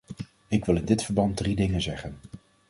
Ik wil in dit verband drie dingen zeggen.